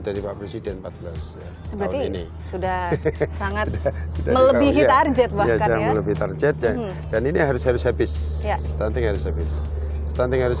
dari pak presiden empat belas tahun ini sudah sangat melebihi target bahkan lebih target dan ini harus